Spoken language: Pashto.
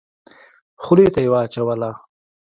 خولې ته يې واچوله.